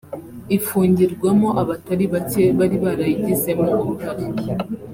ifungirwamo abatari bake bari barayigizemo uruhare